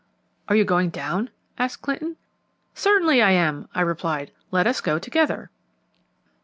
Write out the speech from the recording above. "Are you going down?" asked Clinton. "Certainly I am," I replied. "Let us go together."